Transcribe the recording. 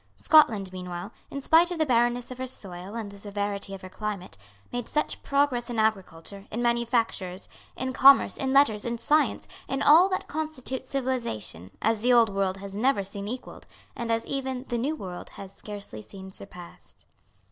Scotland, meanwhile, in spite of the barrenness of her soil and the severity of her climate, made such progress in agriculture, in manufactures, in commerce, in letters, in science, in all that constitutes civilisation, as the Old World had never seen equalled, and as even the New World has scarcely seen surpassed.